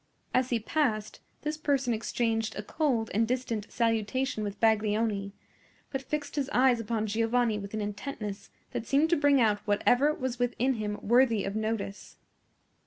As he passed, this person exchanged a cold and distant salutation with Baglioni, but fixed his eyes upon Giovanni with an intentness that seemed to bring out whatever was within him worthy of notice.